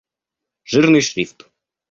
Жирный шрифт